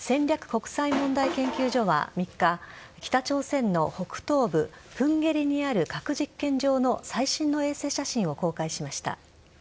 国際問題研究所は３日北朝鮮の北東部プンゲリにある核実験場の最新の衛星写真を公開しました。